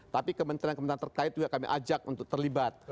tapi kementerian kementerian terkait juga kami ajak untuk terlibat